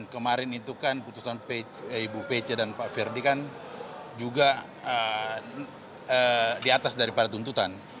kemarin itu kan putusan ibu pece dan pak ferdi kan juga di atas daripada tuntutan